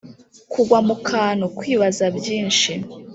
kugwa mu kantu kwibaza byinshi.